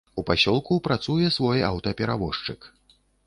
У пасёлку працуе свой аўтаперавозчык.